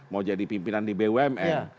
mau jadi pimpinan di bumn